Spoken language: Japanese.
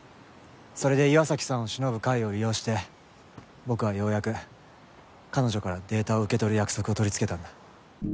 それで岩崎さんを偲ぶ会を利用して僕はようやく彼女からデータを受け取る約束を取りつけたんだ。